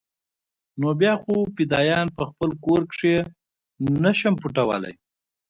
نو بيا خو فدايان په خپل کور کښې نه شم پټولاى.